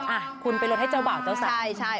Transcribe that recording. อ่ะคุณไปลดให้เจ้าบ่าวเจ้าสาว